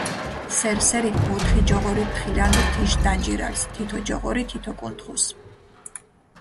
სერ-სერით ოთხი ჯოღორი თხილანდჷ თიშ დანჯირალს, თითო ჯოღორი თითო კუნთხუს.